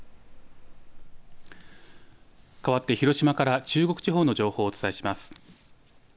かわって広島から中国地方の情報をお伝えします。